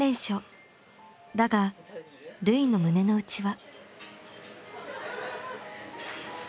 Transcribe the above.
だが瑠唯の胸の内は。